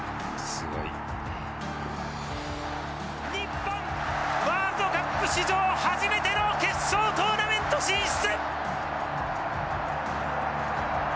日本ワールドカップ史上初めての決勝トーナメント進出！